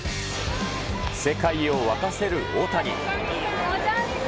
世界を沸かせる大谷。